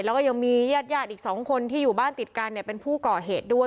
แล้วก็ยังมีญาติอีก๒คนที่อยู่บ้านติดกันเป็นผู้ก่อเหตุด้วย